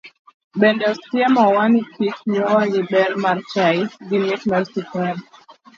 Bedo osiemo wa ni kik yuawa gi ber mar chai gi mit mar sukari.